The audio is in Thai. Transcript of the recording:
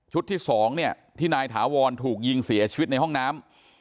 ที่๒เนี่ยที่นายถาวรถูกยิงเสียชีวิตในห้องน้ำ